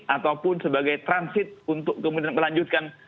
ataupun sebagai transit untuk kemudian melanjutkan